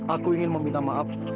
aku ingin meminta maaf